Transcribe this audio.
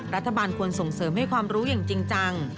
รัฐบาลควรส่งเสริมให้ความรู้อย่างจริงจัง